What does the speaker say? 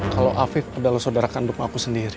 kalau afiq adalah saudara kandung aku sendiri